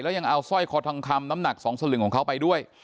ยังเอาสร้อยคอทองคำน้ำหนัก๒สลึงของเขาไปด้วย